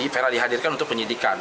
vera dihadirkan untuk penyidikan